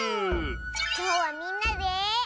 きょうはみんなで。